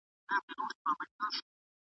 یوه غټه زنګوله یې وه په غاړه .